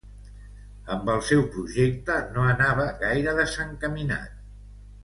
Amb el seu projecte no anava gaire desencaminat